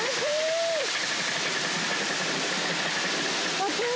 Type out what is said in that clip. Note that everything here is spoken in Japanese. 熱い。